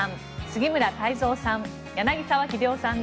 杉村太蔵さん